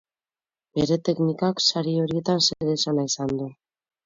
Bere teknikak sari horietan zeresana izan du.